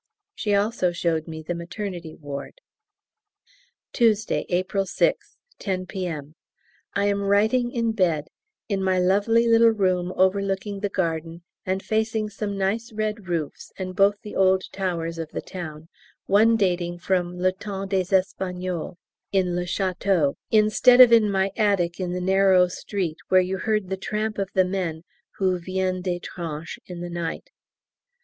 She also showed me the Maternity Ward. Tuesday, April 6th, 10 P.M. I am writing in bed in my lovely little room overlooking the garden, and facing some nice red roofs and both the old Towers of the town (one dating from le temps des Espagnols) in le Château, instead of in my attic in the narrow street where you heard the tramp of the men who viennent des tranches in the night.